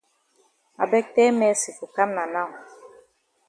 I beg tell Mercy for kam na now.